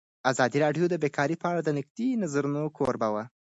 ازادي راډیو د بیکاري په اړه د نقدي نظرونو کوربه وه.